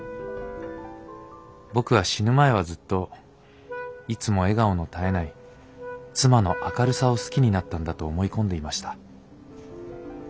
僕は死ぬ前はずっといつも笑顔の絶えない妻の明るさを好きになったんだと思い込んでいました。